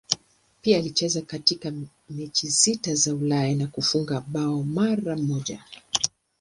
Pia alicheza katika mechi sita za Ulaya na kufunga bao mara moja.